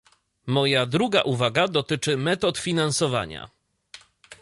Moja druga uwaga dotyczy metod finansowania